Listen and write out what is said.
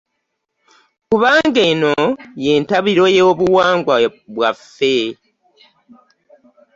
Kubanga eno y'entabiro y'obuwangwa bwaffe